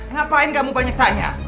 ngapain kamu banyak tanya